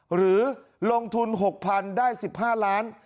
หรือลงทุน๖๐๐๐ได้๑๕ล้าน